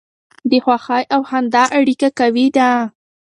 د خوښۍ او خندا اړیکه قوي ده.